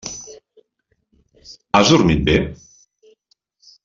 Has dormit bé?